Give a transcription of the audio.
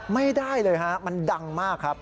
ไม่ได้เลยฮะมันดังมากครับ